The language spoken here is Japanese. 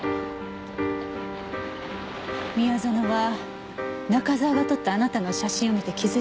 宮園は中沢が撮ったあなたの写真を見て気付いたの。